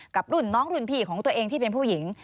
กับรุ่นน้องรุ่นพี่ของตัวเองที่เป็นผู้หญิง